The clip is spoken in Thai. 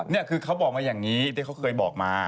นี่คือเขาบอกมาอย่างนี้ที่เขาเคยบอกมา